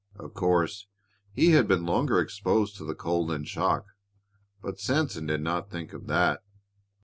Of course, he had been longer exposed to the cold and shock, but Sanson did not think of that.